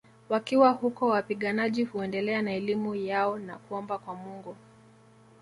Wakiwa huko wapiganaji huendelea na elimu yao na kuomba kwa Mungu